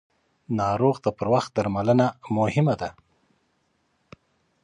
ناروغ ته پر وخت درملنه مهمه ده.